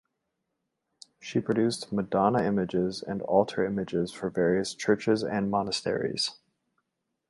She produced madonna images and altar images for various churches and monasteries.